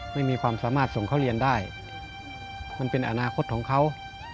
ไม่มีความสามารถส่งเขาเรียนได้มันเป็นอนาคตของเขา